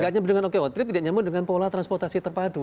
nggak nyambung dengan oke otrip tidak nyambung dengan pola transportasi terpadu